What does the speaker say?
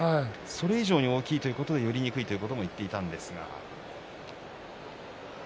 それ以上に大きいということで寄りにくいということも言っていたんですが。